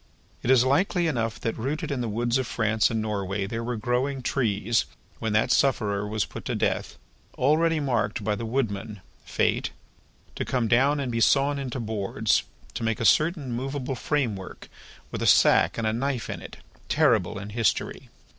It is likely enough that, rooted in the woods of France and Norway, there were growing trees, when that sufferer was put to death, already marked by the Woodman, Fate, to come down and be sawn into boards, to make a certain movable framework with a sack and a knife in it, terrible in history.